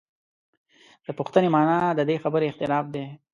د پوښتنې معنا د دې خبرې اعتراف دی.